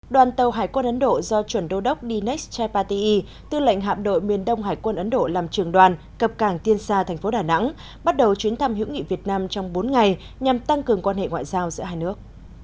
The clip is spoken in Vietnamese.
đoàn tàu hải quân ấn độ do chuẩn đô đốc dnas chaypati tư lệnh hạm đội miền đông hải quân ấn độ làm trường đoàn cập cảng tiên xa thành phố đà nẵng bắt đầu chuyến thăm hữu nghị việt nam trong bốn ngày nhằm tăng cường quan hệ ngoại giao giữa hai nước